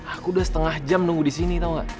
aku udah setengah jam nunggu disini tau gak